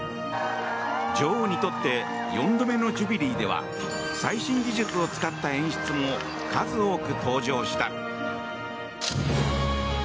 女王にとって４度目のジュビリーでは最新技術を使った演出も数多く登場した。